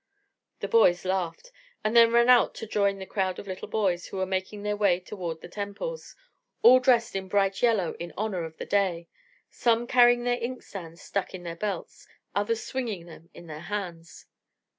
The boys laughed; and then ran out to join the crowd of little boys, who were making their way toward the temples, all dressed in bright yellow in honour of the day, some carrying their inkstands stuck in their belts, others swinging them in their hands.